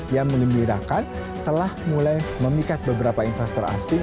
yang mengembirakan telah mulai memikat beberapa investor asing